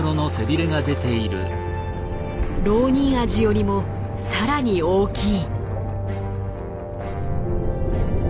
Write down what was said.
ロウニンアジよりもさらに大きい。